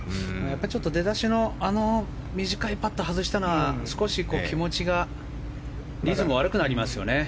ちょっと出だしのあの短いパットを外したのは少し気持ちがリズムが悪くなりますよね。